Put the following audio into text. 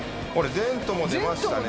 ゼントも出ましたね。